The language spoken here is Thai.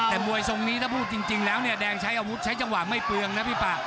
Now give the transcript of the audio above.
แต่มวยทรงนี้ถ้าพูดจริงแล้วเนี่ยแดงใช้อาวุธใช้จังหวะไม่เปลืองนะพี่ป่า